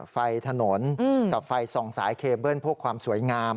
ไฟถนนกับไฟส่องสายเคเบิ้ลพวกความสวยงาม